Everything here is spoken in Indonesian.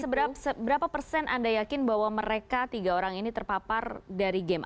seberapa persen anda yakin bahwa mereka tiga orang ini terpapar dari game